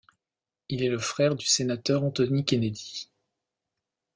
Il est le frère du sénateur Anthony Kennedy.